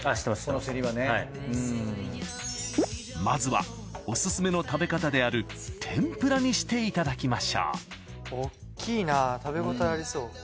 まずはオススメの食べ方である天ぷらにしていただきましょうおっきいな食べごたえありそう。